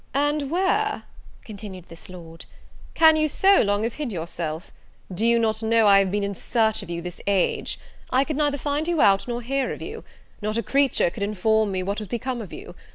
"And where," continued this Lord, "can you so long have hid yourself? do you know I have been in search of you this age? I could neither find you out, nor hear of you: not a creature could inform me what was become of you.